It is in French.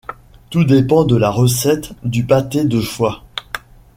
Tout dépend de la recette du pâté de foie.